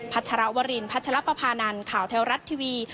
ชรวรินพัชรปภานันข่าวแท้รัฐทีวี